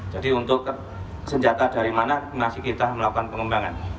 jadi untuk senjata dari mana masih kita melakukan pengembangan